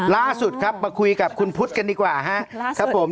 ล่าสุดครับมาคุยกับคุณพุทธกันดีกว่าครับผม